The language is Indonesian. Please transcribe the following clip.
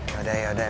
ya udah yaudah